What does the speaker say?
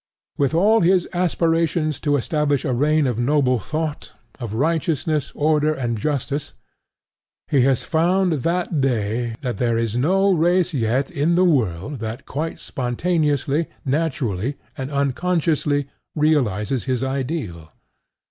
With all his aspirations to establish a reign of noble thought, of righteousness, order, and justice, he has found that day that there is no race yet in the world that quite spontaneously, naturally, and unconsciously realizes his ideal.